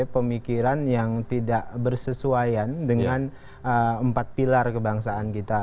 pemikiran yang tidak bersesuaian dengan empat pilar kebangsaan kita